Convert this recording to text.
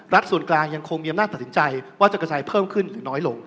ส่วนกลางยังคงมีอำนาจตัดสินใจว่าจะกระจายเพิ่มขึ้นหรือน้อยลง